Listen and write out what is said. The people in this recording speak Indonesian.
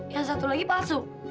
yang satu lagi palsu